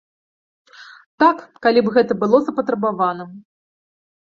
Так, калі б гэта было запатрабаваным.